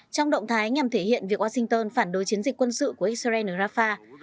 trong động thái nhằm thể hiện việc washington phản đối chiến dịch quân sự của israel ở rafah